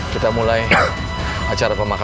salah saya apa pak